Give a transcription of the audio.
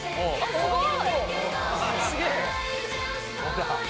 すごい。